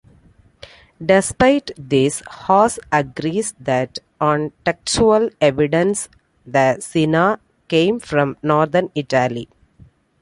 Despite this, Hass agrees that on textual evidence the "Cena" came from northern Italy.